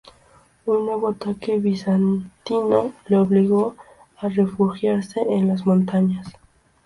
Un nuevo ataque bizantino le obligó a refugiarse en las montañas.